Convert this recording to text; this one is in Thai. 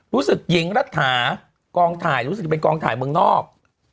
รู้สึกหญิงฤทธากองไถร์รู้สึกเป็นกองไถร์เมืองนอก